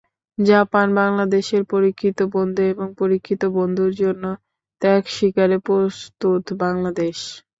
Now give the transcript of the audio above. Japan বাংলাদেশের পরীক্ষিত বন্ধু এবং পরীক্ষিত বন্ধুর জন্য ত্যাগ স্বীকারে প্রস্তুত বাংলাদেশ।